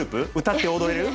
歌って踊れる？